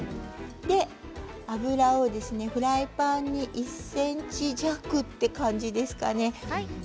油をフライパンに１ｃｍ弱という感じでしょうかね。